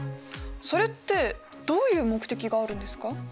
それってどういう目的があるんですか？